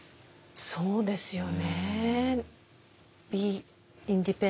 そうですよね。